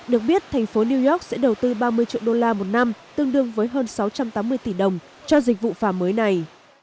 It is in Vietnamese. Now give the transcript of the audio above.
được biết thành phố new york sẽ đầu tư ba mươi triệu đô la một năm tương đương với hơn sáu trăm tám mươi tỷ đồng cho dịch vụ phà mới này